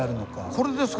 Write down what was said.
これですか？